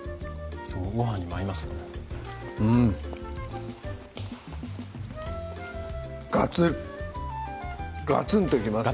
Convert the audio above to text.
ごはんにも合いますのでうんガツンガツンときますね